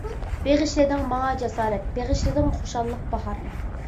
بېغىشلىدىڭ ماڭا جاسارەت، بېغىشلىدىڭ خۇشاللىق باھار.